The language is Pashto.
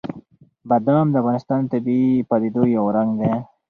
بادام د افغانستان د طبیعي پدیدو یو رنګ دی.